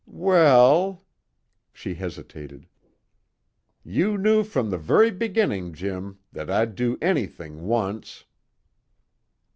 "Well " she hesitated. "You knew from the very beginning, Jim, that I'd do anything once!"